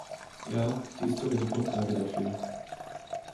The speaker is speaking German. Ja, sie ist sogar die Grundlage dafür.